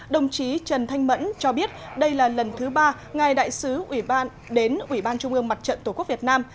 đồng chí trần thanh mẫn cho biết đây là lần thứ ba ngày đại sứ đến ủy ban trung ương mặt trận tổ quốc việt nam